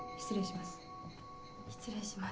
失礼します。